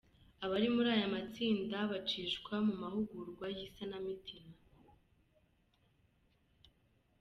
Abari muri aya matsinda bacishwa mu mahugurwa y’isanamitima.